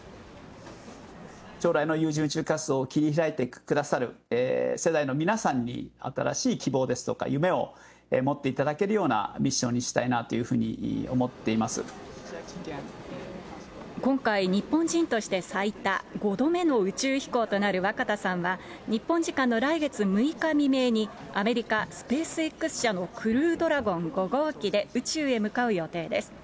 将来の有人宇宙活動を切り開いてくださる世代の皆さんに、新しい希望ですとか夢を持っていただけるようなミッションにした今回、日本人として最多５度目の宇宙飛行となる若田さんは、日本時間の来月６日未明にアメリカ・スペースＸ社のクルードラゴン５号機で宇宙へ向かう予定です。